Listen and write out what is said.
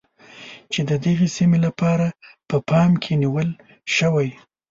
چې د دغې سیمې لپاره په پام کې نیول شوی.